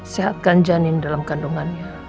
sehatkan janin dalam kandungannya